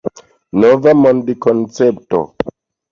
Nova mondkoncepto.